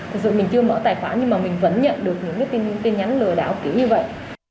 thực sự mình chưa mở tài khoản nhưng mà mình vẫn nhận được những cái tin nhắn lừa đảo kiểu như vậy